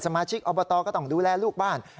สมาชิกอบตก็ต้องดูแลลูกบ้าน